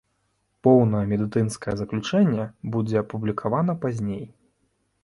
Поўнае медыцынскае заключэнне будзе апублікавана пазней.